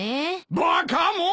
バカもん！